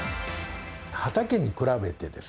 畑に比べてですね